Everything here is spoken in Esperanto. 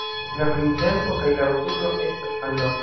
La printempo kaj la aŭtuno estas mallongaj.